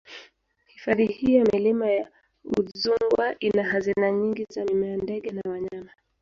Hifadhi hii ya Milima ya Udzungwa ina hazina nyingi za mimea ndege na wanyama